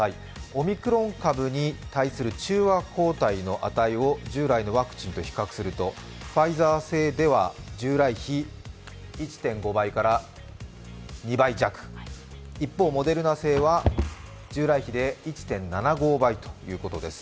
オミクロン株に対する中和抗体の値を従来のワクチンと比較するとファイザー製では従来比１．５倍から２倍弱、一方、モデルナ製は従来製で１．７５倍ということです。